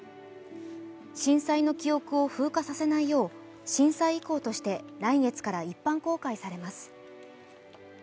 震災の記憶を風化させないよう震災遺構として来月から一般公開されます。